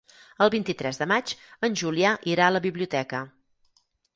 El vint-i-tres de maig en Julià irà a la biblioteca.